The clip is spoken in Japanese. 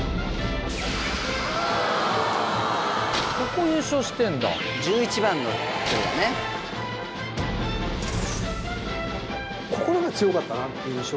ここ優勝してんだ１１番の頃だね心が強かったなっていう印象